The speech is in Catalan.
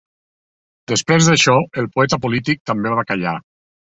Després d'això, el poeta polític també va callar.